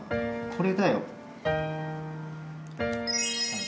これだよ。